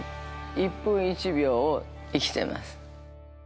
一分一秒を生きてます。